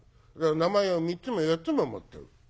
名前を３つも４つも持ってる。